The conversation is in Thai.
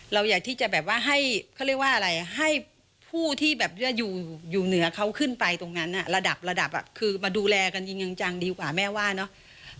เราอยากที่จะแบบว่าให้เขาเรียกว่าอะไรให้ผู้ที่แบบอยู่เหนือเขาขึ้นไปตรงนั้นระดับระดับคือมาดูแลกันจริงจังดีกว่าแม่ว่าเนาะ